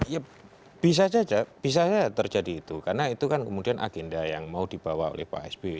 ya bisa saja bisa saja terjadi itu karena itu kan kemudian agenda yang mau dibawa oleh pak sby